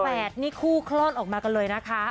นี่คู่คลอดออกมากันเลยนะคะ